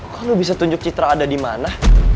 kok lo bisa tunjuk citra ada di mana